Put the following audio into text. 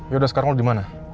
yaudah sekarang lo dimana